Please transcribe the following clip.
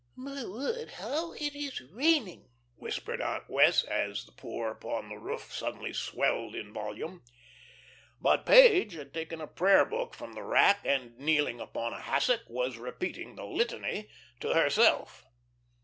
"My word, how it is raining," whispered Aunt Wess', as the pour upon the roof suddenly swelled in volume. But Page had taken a prayer book from the rack, and kneeling upon a hassock was repeating the Litany to herself.